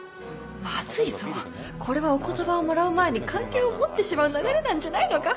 マズいぞこれはお言葉をもらう前に関係を持ってしまう流れなんじゃないのか？